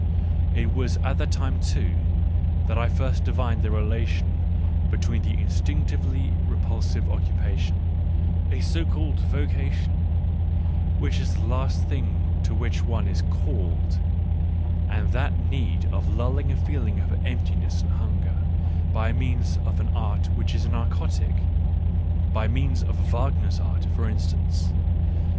It was at that time, too, that I first divined the relation be Digitized by Google WHY I WRITE SUCH EXCELLENT BOOKS 87 tween an instinctively repulsive occupation, a so called vocation, which is the last thing to which one is " called," and that need of lulling a feeling of emptiness and hunger, by means of an art which is a narcotic — by means of Wagner's art, for in stance.